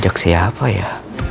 ajak siapa ya